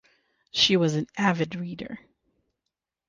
She was an avid reader.